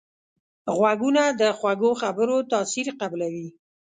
غوږونه د خوږو خبرو تاثیر قبلوي